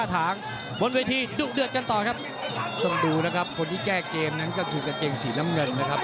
ต้องดูนะครับคนที่แก้เกมนั้นก็คือกระเกงสีน้ำเงินนะครับ